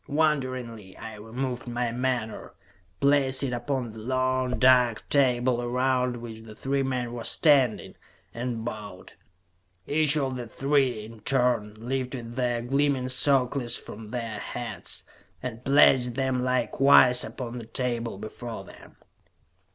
Wonderingly, I removed my menore, placed it upon the long, dark table around which the three men were standing, and bowed. Each of the three, in turn, lifted their gleaming circlets from their heads, and placed them likewise upon the table before them.